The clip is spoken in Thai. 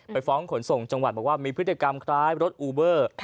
ไปฟ้องขนส่งจังหวัดบอกว่ามีพฤติกรรมคล้ายรถอูเบอร์